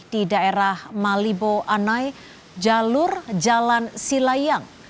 di daerah malibo anai jalur jalan silayang